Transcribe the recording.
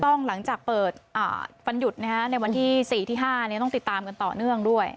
หลังจากเปิดวันหยุดในวันที่๔ที่๕ต้องติดตามกันต่อเนื่องด้วย